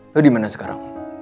lu dimana sekarang